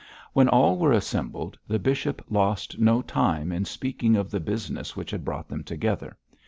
When all were assembled, the bishop lost no time in speaking of the business which had brought them together.